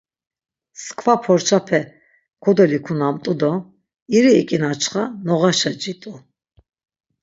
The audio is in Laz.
Msǩva porçape kodolikunamt̆u do iri iǩinaçxa noğaşa cit̆u.